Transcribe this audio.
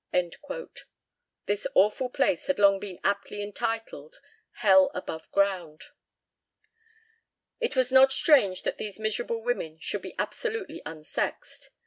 This awful place had long been aptly entitled "Hell above ground." It was not strange that these miserable women should be absolutely unsexed.